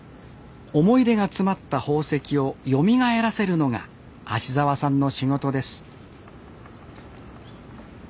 思い出が詰まった宝石をよみがえらせるのが芦沢さんの仕事です